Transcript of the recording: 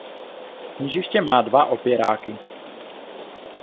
Kněžiště má dva opěráky.